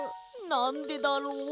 なんでだろう？